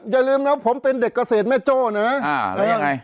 อย่าลืมนะว่าผมเป็นเด็กเกษตรแม่โจเนาะ